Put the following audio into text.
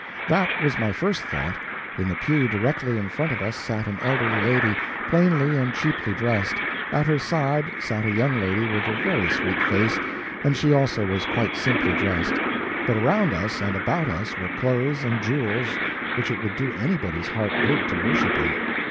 That was my first thought. In the pew directly in front of us sat an elderly lady, plainly and cheaply dressed; at her side sat a young lady with a very sweet face, and she also was quite simply dressed; but around us and about us were clothes and jewels which it would do anybody's heart good to worship in.